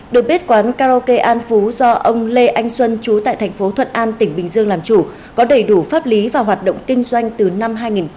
đội bếp quán karaoke an phú do ông lê anh xuân trú tại tp thuận an tỉnh bình dương làm chủ có đầy đủ pháp lý và hoạt động kinh doanh từ năm hai nghìn một mươi sáu